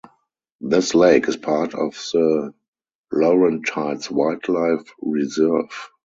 This lake is part of the Laurentides Wildlife Reserve.